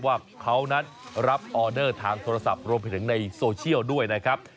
ว่าเขานั้นรับออเดอร์ทางโทรศัพท์รวมไปถึงในโซเชียลด้วยนะครับ